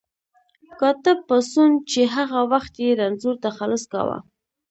کاتب پاڅون چې هغه وخت یې رنځور تخلص کاوه.